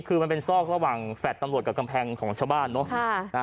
คือมันเป็นซอกระหว่างแฟลต์ตำรวจกับกำแพงของชาวบ้านเนอะ